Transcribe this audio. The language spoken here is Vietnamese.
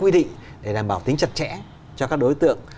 để đảm bảo tính chặt chẽ cho các đối tượng